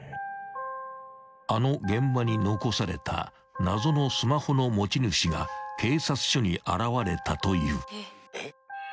［あの現場に残された謎のスマホの持ち主が警察署に現れたという］